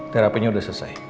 terapi nya udah selesai